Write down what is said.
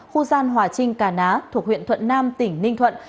khu gian hòa trinh cà ná thuộc huyện thuận nam tỉnh ninh thuận